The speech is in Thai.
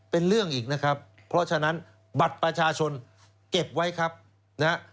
เป็นเรื่องอีกนะครับเพราะฉะนั้นบัตรประชาชนเก็บไว้ครับนะฮะ